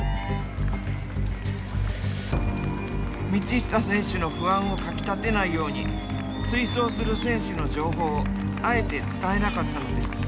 道下選手の不安をかきたてないように追走する選手の情報をあえて伝えなかったのです。